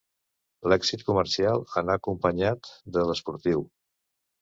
L'èxit comercial anà acompanyat de l'esportiu.